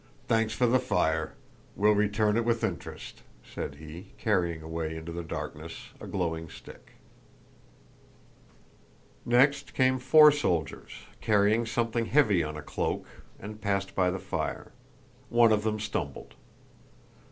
Thanks for the fire—we'll return it with interest," said he, carrying away into the darkness a glowing stick. Next came four soldiers, carrying something heavy on a cloak, and passed by the fire. One of them stumbled.